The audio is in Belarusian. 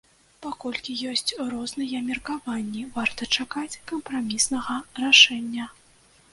Паколькі ёсць розныя меркаванні, варта чакаць кампраміснага рашэння.